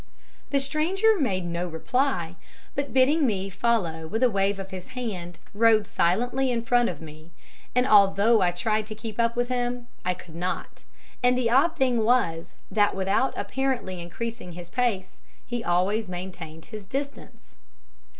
"The stranger made no reply, but bidding me follow with a wave of his hand, rode silently in front of me, and although I tried to keep up with him, I could not; and the odd thing was, that without apparently increasing his pace, he always maintained his distance.